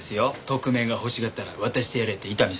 特命が欲しがったら渡してやれって伊丹さんが。